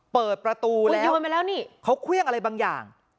เปิดประตูแล้วนี่เขาเครื่องอะไรบางอย่าง